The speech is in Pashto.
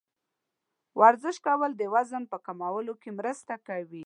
ورزش کول د وزن په کمولو کې مرسته کوي.